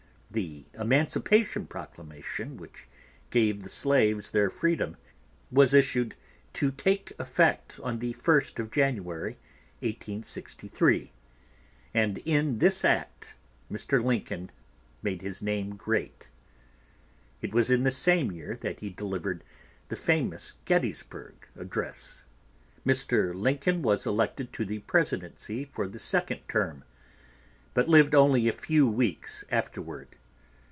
The Emancipation Proclamation, which gave the slaves their freedom, was issued to take effect on the 1st of January, 1863; and in this act Mr. Lincoln made his name great. It was in this same year that he delivered the famous Gettysburg Address. Mr. Lincoln was elected to the Presidency for the second term, but lived only a few weeks afterward.